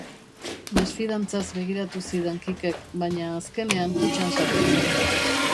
Mesfidantzaz begiratu zidan Kikek, baina azkenean kutxan sartu zen.